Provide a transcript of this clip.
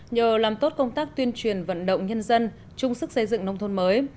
nhờ làm tốt công tác tuyên truyền vận động nhân dân chung sức xây dựng nông thôn mới